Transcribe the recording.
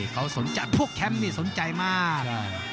เขาสนใจพวกแชมป์นี่สนใจมาก